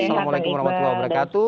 assalamualaikum wr wb